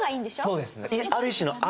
そうですね。